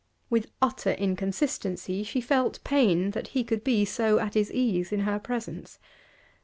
With utter inconsistency she felt pain that he could be so at his ease in her presence.